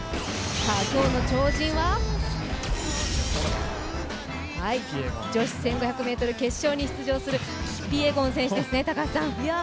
今日の超人は女子１５００ｍ決勝に出場するキピエゴン選手ですね。